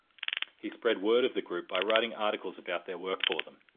He spread word of the group by writing articles about their work for them.